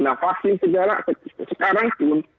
nah vaksin segala sekarang pun